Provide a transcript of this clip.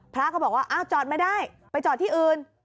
พระก็บอกว่าอ้าวจอดไม่ได้ไปจอดที่อื่น